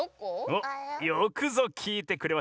およくぞきいてくれました！